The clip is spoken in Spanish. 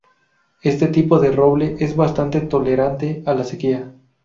Este tipo de roble es bastante tolerante a la sequía.